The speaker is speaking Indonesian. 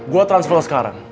gue transfer sekarang